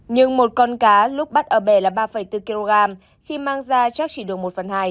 nhưng một con cá lúc bắt ở bè là ba bốn kg khi mang ra chắc chỉ được một phần hai